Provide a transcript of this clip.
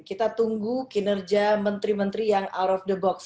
kita tunggu kinerja menteri menteri yang out of the box